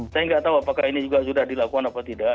saya nggak tahu apakah ini juga sudah dilakukan apa tidak